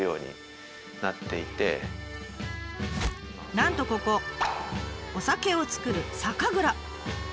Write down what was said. なんとここお酒を造る酒蔵。